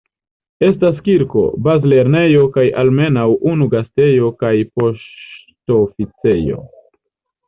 Estas kirko, bazlernejo, kaj almenaŭ unu gastejo kaj poŝtoficejo.